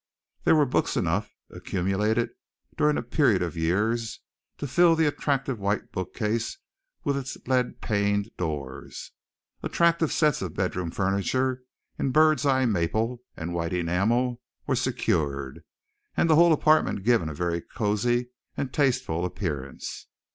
There were books enough, accumulated during a period of years, to fill the attractive white bookcase with its lead paned doors. Attractive sets of bedroom furniture in bird's eye maple and white enamel were secured, and the whole apartment given a very cosy and tasteful appearance.